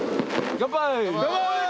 乾杯！